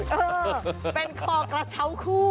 เออเป็นคอกระเช้าคู่